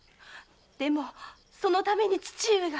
でもそのために父上が。